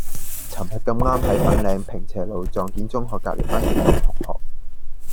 噚日咁啱喺粉嶺坪輋路撞見中學隔離班嘅舊同學